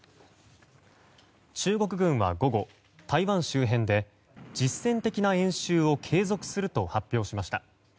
中国軍は午後、台湾周辺で実戦的な演習を継続すると発表しました。